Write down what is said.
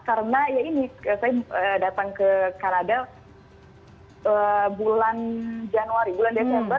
karena ya ini saya datang ke kanada bulan januari bulan desember